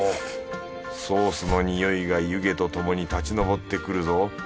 ソースのにおいが湯気とともに立ちのぼってくるぞ。